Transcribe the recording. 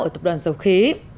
ở tập đoàn dầu khí